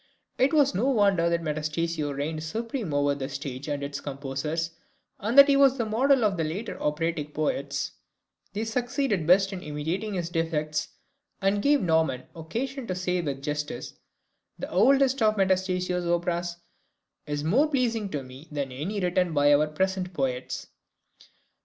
It was no wonder that Metastasio reigned supreme over the stage and its composers, and that he was the model of the later operatic poets; they succeeded best in imitating his defects, and gave Naumann occasion to say with justice, "The oldest of Metastasio's operas is more pleasing to me than any written by our present poets."